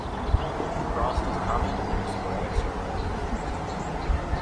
Frost is common and there is sporadic snowfall.